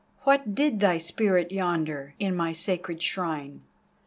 What did thy spirit yonder, in my sacred shrine?